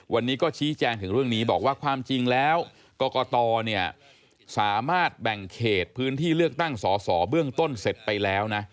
วันนี้ก็ชี้แจงถึงเรื่องนี้บอกว่าความจริงแล้วกรกตสามารถแบ่งเขตพื้นที่เลือกตั้งสอสอเบื้องต้นเสร็จไปแล้วนะ